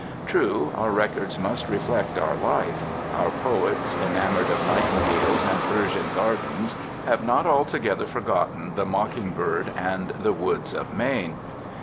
True, our records must reflect our life. Our poets, enamored of nightingales and Persian gardens, have not altogether forgotten the mocking bird and the woods of Maine.